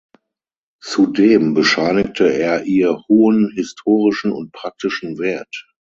Zudem bescheinigte er ihr hohen historischen und praktischen Wert.